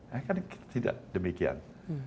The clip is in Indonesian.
ya kan tidak demikian